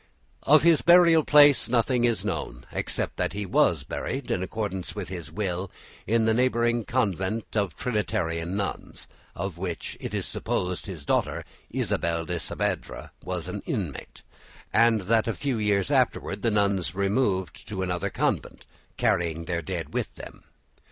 Of his burial place nothing is known except that he was buried, in accordance with his will, in the neighbouring convent of Trinitarian nuns, of which it is supposed his daughter, Isabel de Saavedra, was an inmate, and that a few years afterwards the nuns removed to another convent, carrying their dead with them.